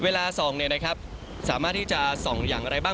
เวลาส่องเนี่ยนะครับสามารถที่จะส่องอย่างไรบ้าง